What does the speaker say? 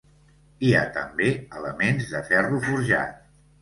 Hi ha també elements de ferro forjat.